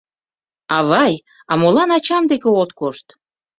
— Авай, а молан ачам деке от кошт?